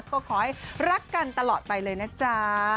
ก็ขอให้รักกันตลอดไปเลยนะจ๊ะ